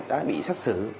đã bị xác xử